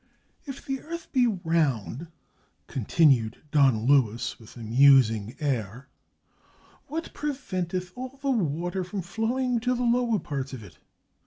"If the earth be round," continued Don Luis, with a musing air, "what preventeth all the water from flowing to the lower parts of it?